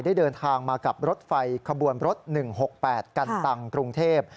ได้เดินทางมากับรถไฟขบวนรถ๑๖๘กันตังกรุงเทพ